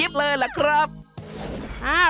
พริกบดเอง